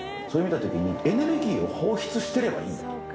それ見たときに、エネルギーを放出してればいい。